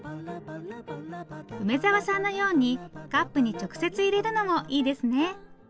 梅沢さんのようにカップに直接入れるのもいいですね。